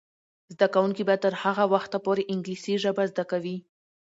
زده کوونکې به تر هغه وخته پورې انګلیسي ژبه زده کوي.